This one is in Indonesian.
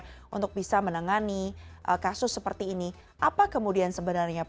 kemungkinan di porternya nau di kppo tidak bisa kita hasilinya rev